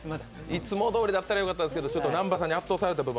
いつもどおりだったらよかったですけど南波さんに圧倒されまし。